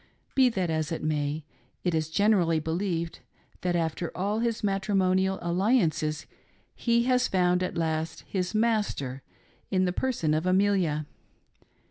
Be that as it may, it is gefte'rally believed that after all his matrimonial alliances he has at last found his master in the person of Amelia.